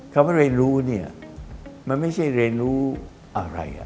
คำว่าเรียนรู้เนี่ยมันไม่ใช่เรียนรู้อะไร